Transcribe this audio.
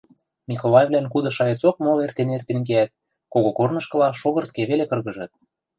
Миколайвлӓн куды шайыцок мол эртен-эртен кеӓт, когогорнышкыла шогыртке веле кыргыжыт.